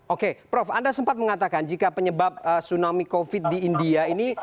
oke prof anda sempat mengatakan jika penyebab tsunami covid di india ini